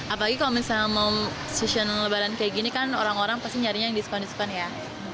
apalagi kalau misalnya mau session lebaran kayak gini kan orang orang pasti nyarinya yang diskon diskon ya